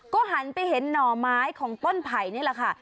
ก็หันไปเห็นหน่อไม้ของต้นไผ่นี่แหละค่ะ